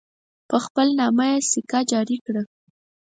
په خپل نامه یې سکه جاري کړه.